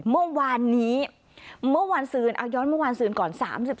เมื่อวานนี้เมื่อวานซืนเอาย้อนเมื่อวานซืนก่อน๓๔